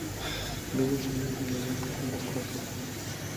No hubo escenas en los baños ni en los cuartos.